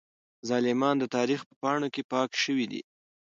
ظالمان د تاريخ په پاڼو کې پاک شوي دي.